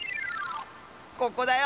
ここだよ